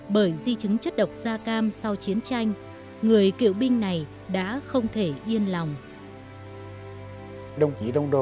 bởi di chứng chất độc da cam sau chiến tranh người cựu binh này đã không thể yên lòng